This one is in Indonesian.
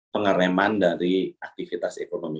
pengereman dari aktivitas ekonomi